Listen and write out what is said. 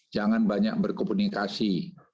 jangan banyak berkomunikasi